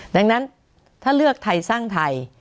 ดังนั้นถ้าเลือกไทยสร้างไทย